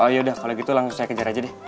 oh yaudah kalau gitu langsung saya kejar aja deh